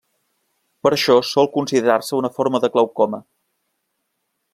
Per això sol considerar-se una forma de glaucoma.